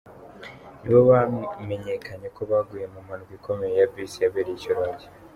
nibo bamenyekanye ko baguye mu mpanuka ikomeye ya bisi yabereye i Shyorongi .